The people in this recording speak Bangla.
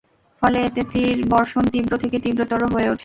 ফলে এতে তীর বর্ষণ তীব্র থেকে তীব্রতর হয়ে ওঠে।